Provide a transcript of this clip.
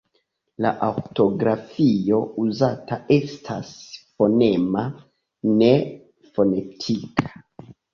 La ortografio uzata estas fonema, ne fonetika.